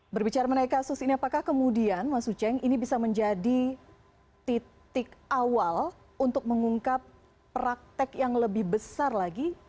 berbicara mengenai kasus ini apakah kemudian mas uceng ini bisa menjadi titik awal untuk mengungkap praktek yang lebih besar lagi